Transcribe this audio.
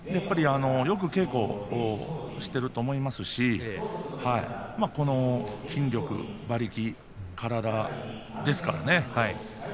よく稽古していると思いますしこの筋力、馬力、体力ですからね。